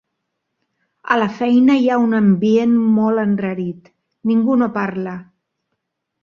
A la feina hi ha un ambient molt enrarit: ningú no parla.